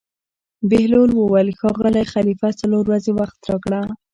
بهلول وویل: ښاغلی خلیفه څلور ورځې وخت راکړه.